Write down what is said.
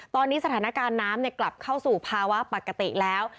ตอนนี้สถานการณ์น้ำกลับเข้าสู่ภาวะปกติแล้ว